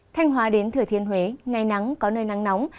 thanh hóa đến thừa thiên huế ngày nắng có nơi nắng nóng